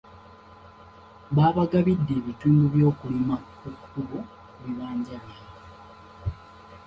Babagabidde ebitundu by’okulima ku kkubo ku bibanja byaabwe.